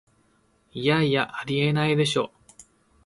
いやいや、ありえないでしょ